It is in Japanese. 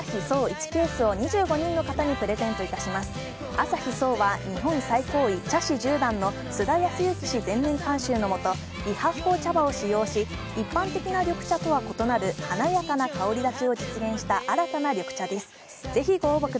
アサヒ颯は日本最高位茶師十段の酢田恭行氏全面監修のもと微発酵茶葉を使用し、一般的な緑茶とは異なる華やかな香り立ちを実現した新たな緑茶です。